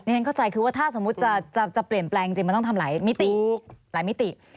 นี่แน่งก็ใจนี่ถ้าจะเปลี่ยนแปลงจริงมันต้องทำหลายมิติ